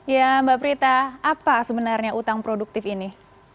ya mbak prita apa sebenarnya utang produktif ini